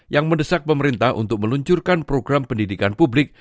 yang mendesak pemerintah untuk meluncurkan program pendidikan publik